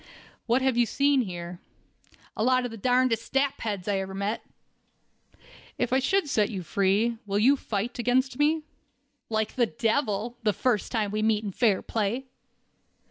"What have you seen here?" "A lot of the darndest sapheads I ever met." "If I should set you free, will you fight against me?" "Like the devil, the first time we meet in fair play."